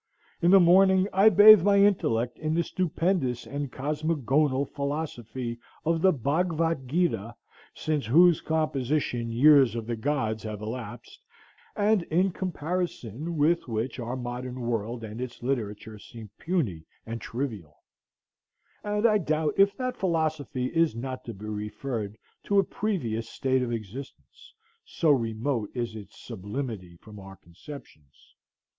In the morning I bathe my intellect in the stupendous and cosmogonal philosophy of the Bhagvat Geeta, since whose composition years of the gods have elapsed, and in comparison with which our modern world and its literature seem puny and trivial; and I doubt if that philosophy is not to be referred to a previous state of existence, so remote is its sublimity from our conceptions.